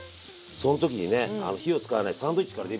その時にね火を使わないサンドイッチからデビューしました。